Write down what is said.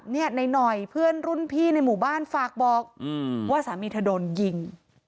ในหน่อยเพื่อนรุ่นพี่ในหมู่บ้านฝากบอกว่าสามีเธอโดนยิง